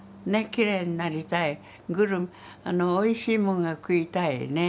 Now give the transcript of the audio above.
きれいになりたいグルメおいしいもんが食いたいね。